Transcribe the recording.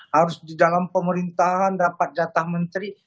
harus di dalam pemerintahan dapat jatah menteri